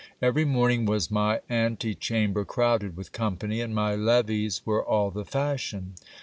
Every morning was my ante chamber crowded with company, and my levees were all the fashion.